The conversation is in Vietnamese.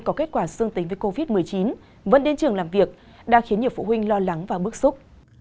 có kết quả dương tính với covid một mươi chín vẫn đến trường làm việc đang khiến nhiều phụ huynh lo lắng và bức xúc